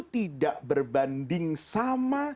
tidak berbanding sama